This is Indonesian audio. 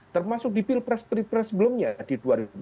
termasuk di pilpres pripres sebelumnya di dua ribu empat dua ribu sembilan